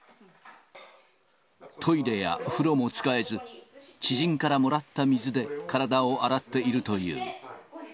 トイレや風呂も使えず、知人からもらった水で、体を洗っているという。